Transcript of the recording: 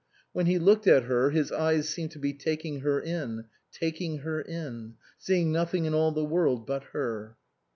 When he looked at her his eyes seemed to be taking her in, taking her in, seeing nothing in all the world but her.